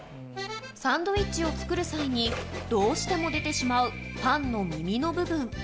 サンドウィッチを作る際に、どうしても出てしまうパンの耳の部分。